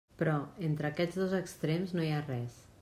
Però, entre aquests dos extrems, no hi ha res.